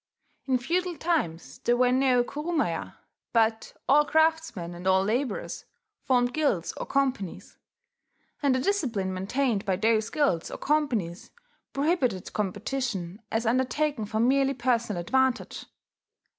In feudal times there were no kurumaya; but all craftsmen and all labourers formed guilds or companies; and the discipline maintained by those guilds or companies prohibited competition as undertaken for merely personal advantage.